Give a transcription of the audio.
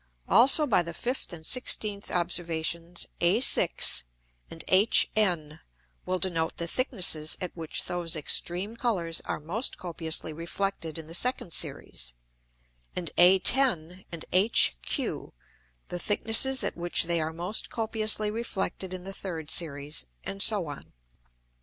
Also by the 5th and 16th Observations, A6 and HN will denote the Thicknesses at which those extreme Colours are most copiously reflected in the second Series, and A10 and HQ the Thicknesses at which they are most copiously reflected in the third Series, and so on.